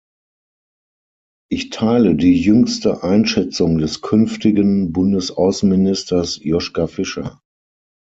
Ich teile die jüngste Einschätzung des künftigen Bundesaußenministers Joschka Fischer.